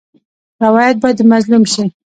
روایت باید د مظلوم شي.